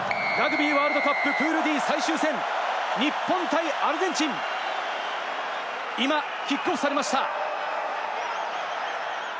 ラグビーワールドカッププールＤの最終戦、日本対アルゼンチン、今、キックオフされました。